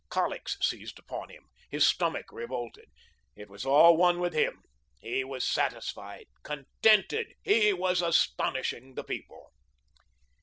Colics seized upon him. His stomach revolted. It was all one with him. He was satisfied, contented. He was astonishing the people.